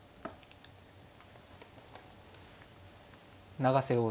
永瀬王座